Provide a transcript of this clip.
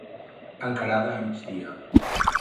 Encarada a migdia.